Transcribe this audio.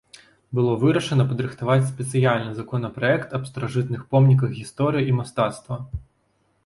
Было вырашана падрыхтаваць спецыяльны законапраект аб старажытных помніках гісторыі і мастацтва.